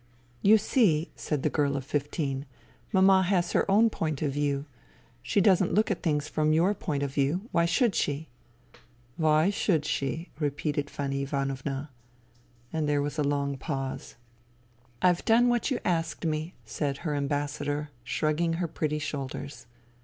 '*" You see," said the girl of fifteen, " Mama has her own point of view. She doesn't look at things from your point of view. Why should she ?"" Why should she ..." repeated Fanny Ivanovna. And there was a long pause. " I've done what you asked me," said her ambas sador, shrugging her pretty shoulders.